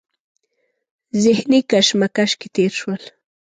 ذهني کشمکش کې تېر شول.